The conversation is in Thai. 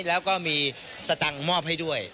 แล้วก็มีสตังค์มอบให้ด้วย